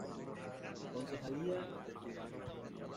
Concejalía de turismo.